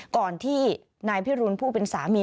ก่อนที่นายพิรุณผู้เป็นสามี